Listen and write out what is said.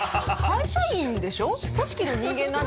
会社員でしょ？